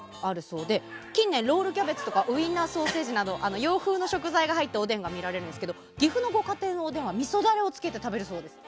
近年、ロールキャベツとかウインナーソーセージなど洋風の食材が入ったおでんが見られるんですけど岐阜のご家庭のおでんはみそダレをつけて食べるそうです。